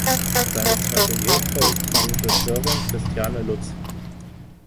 Seine zweite Ehefrau ist die Regisseurin Christiane Lutz.